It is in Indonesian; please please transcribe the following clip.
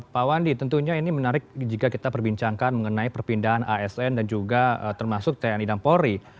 pak wandi tentunya ini menarik jika kita perbincangkan mengenai perpindahan asn dan juga termasuk tni dan polri